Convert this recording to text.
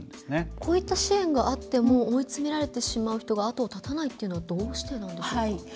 こういった支援があっても追い詰められる人が後を絶たないというのはどうしてなんでしょうか？